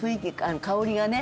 香りがね。